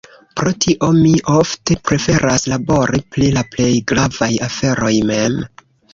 Pro tio, mi ofte preferas labori pri la plej gravaj aferoj mem.